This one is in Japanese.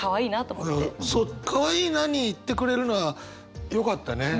そうかわいいなにいってくれるならよかったね。